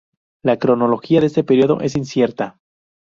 La cronología de este período es incierta.